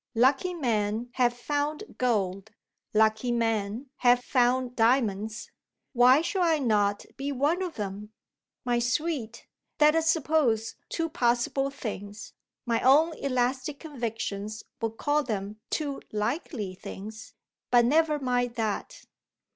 Lucky men have found gold, lucky men have found diamonds. Why should I not be one of them? My sweet, let us suppose two possible things; my own elastic convictions would call them two likely things, but never mind that.